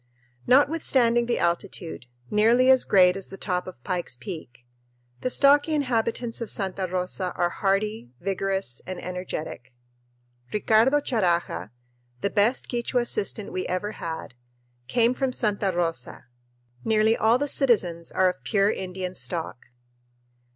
Notwithstanding the altitude nearly as great as the top of Pike's Peak the stocky inhabitants of Santa Rosa are hardy, vigorous, and energetic. Ricardo Charaja, the best Quichua assistant we ever had, came from Santa Rosa. Nearly all the citizens are of pure Indian stock.